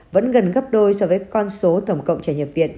vẫn gần gấp đôi so với con số tổng cộng trẻ nhập viện